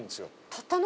たったの？